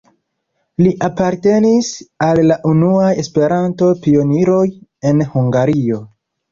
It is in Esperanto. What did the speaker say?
Li apartenis al la unuaj Esperanto-pioniroj en Hungario.